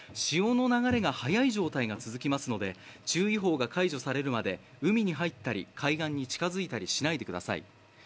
潮の流れが速い状態が続きますので注意報が解除されるまで海に入ったり、海岸に近づいたりしないでください。